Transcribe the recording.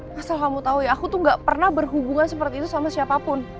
masa kamu tahu ya aku tuh gak pernah berhubungan seperti itu sama siapapun